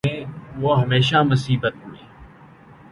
وہ ہمیشہ مصیبت میں